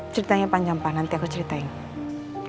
ceritanya panjang pak nanti aku ceritain